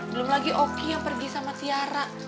belum lagi oki yang pergi sama tiara